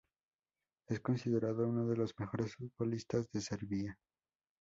Es considerado uno de los mejores futbolistas de Serbia.